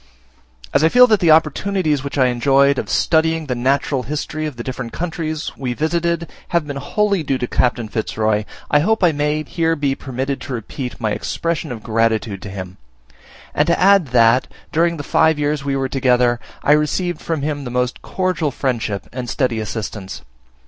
As I feel that the opportunities which I enjoyed of studying the Natural History of the different countries we visited, have been wholly due to Captain Fitz Roy, I hope I may here be permitted to repeat my expression of gratitude to him; and to add that, during the five years we were together, I received from him the most cordial friendship and steady assistance.